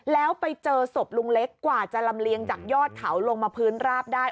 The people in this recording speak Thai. แล้วไปเจอศพลุงเล็กกว่าจะลำเลียงจากยอดเขาลงมาพื้นราบได้